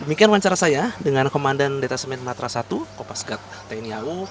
demikian wawancara saya dengan komandan detasemen matra i kopasgat tni au